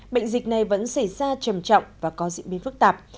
bệnh dịch này vẫn xảy ra trầm trọng và có diễn biến phức tạp